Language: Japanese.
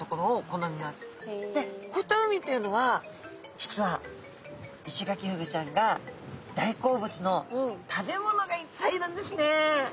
こういった海っていうのは実はイシガキフグちゃんが大好物の食べ物がいっぱいいるんですね。